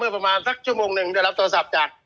ประมาณสักชั่วโมงหนึ่งได้รับโทรศัพท์จาก